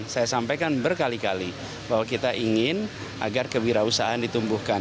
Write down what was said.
saya sampaikan berkali kali bahwa kita ingin agar kewirausahaan ditumbuhkan